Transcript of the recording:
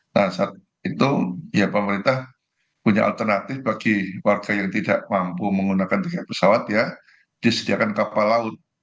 nah saat itu ya pemerintah punya alternatif bagi warga yang tidak mampu menggunakan tiket pesawat ya disediakan kapal laut